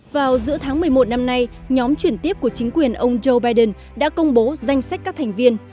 vào giữa tháng một mươi một năm nay nhóm chuyển tiếp của chính quyền ông joe biden đã công bố danh sách các thành viên